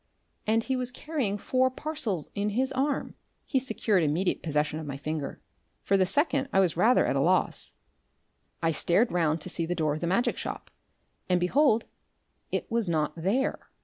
And he was carrying four parcels in his arm! He secured immediate possession of my finger. For the second I was rather at a loss. I stared round to see the door of the magic shop, and, behold, it was not there!